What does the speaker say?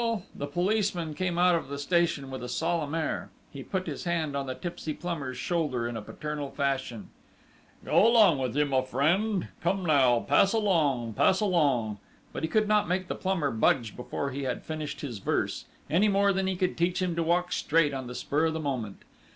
_" A policeman came out of the station with a solemn air. He put his hand on the tipsy plumber's shoulder in paternal fashion. "Go along with you, my friend!... Come now pass along pass along!" But he could not make the plumber budge before he had finished his verse, any more than he could teach him to walk straight on the spur of the moment!...